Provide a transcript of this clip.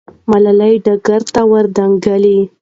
ملالۍ ډګر ته ور دانګله.